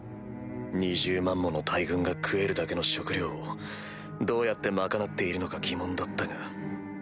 ２０万もの大軍が食えるだけの食料をどうやって賄っているのか疑問だったが。